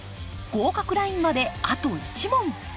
合格ラインまであと１問。